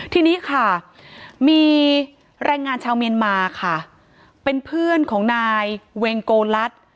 ทีนี้ค่ะมีแรงงานชาวเมียนมาค่ะเป็นเพื่อนของนายเวงโกลัส